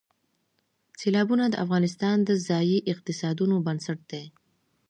سیلابونه د افغانستان د ځایي اقتصادونو بنسټ دی.